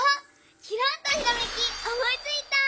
きらんとひらめきおもいついた！